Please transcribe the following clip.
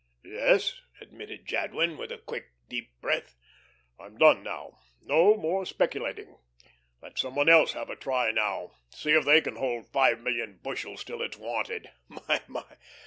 "Yes," admitted Jadwin, with a quick, deep breath. "I'm done now. No more speculating. Let some one else have a try now. See if they can hold five million bushels till it's wanted.